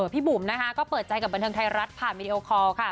บุ๋มนะคะก็เปิดใจกับบันเทิงไทยรัฐผ่านวีดีโอคอลค่ะ